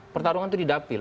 pertarungan itu di dapil